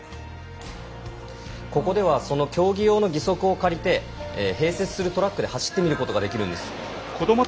ここではその競技用の義足を借りて併設するトラックで走ってみることができるんです。